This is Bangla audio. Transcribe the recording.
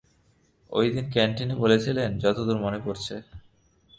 ঐদিন ক্যান্টিনে বলেছিলেন, যতদূর মনে পড়ছে।